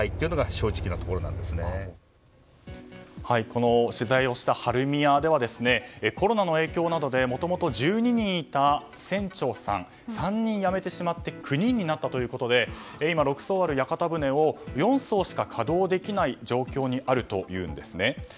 この取材をした晴海屋ではコロナの影響などでもともと１２人いた船長さんが３人辞めてしまって９人になったということで今、６艘ある屋形船を４艘しか稼働できない状況にあるというんですね。